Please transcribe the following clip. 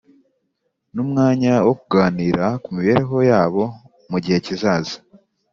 n’umwanya wo kuganira ku mibereho yabo mu gihe kizaza.